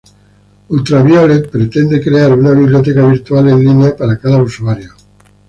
UltraViolet pretende crear una biblioteca virtual en línea para cada usuario.